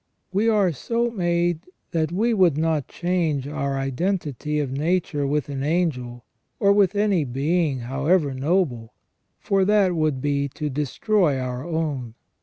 We are so made that we would not change our identity of nature with an angel or with any being however noble, for that would be to destroy our own.